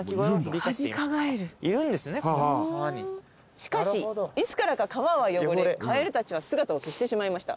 「しかしいつからか川は汚れ蛙達は姿を消してしまいました」